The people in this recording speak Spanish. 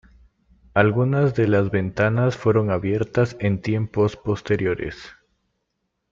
Algunas de las ventanas fueron abiertas en tiempos posteriores.